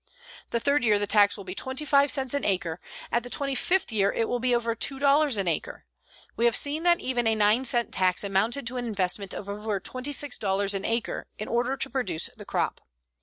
The third year the tax will be 25 cents an acre; at the twenty fifth year it will be over $2 an acre. We have seen that even a 9 cent tax amounted to an investment of over $26 an acre in order to produce the crop.